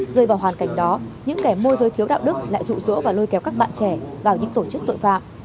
rơi vào hoàn cảnh đó những kẻ môi rơi thiếu đạo đức lại rụ rỗ và lôi kéo các bạn trẻ